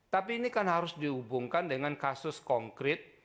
tapi ini kan harus dihubungkan dengan kasus konkret